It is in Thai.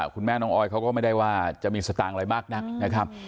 คุณแม่น้องออยเขาก็ไม่ได้ว่าจะมีสตางค์อะไรมากนักนะครับ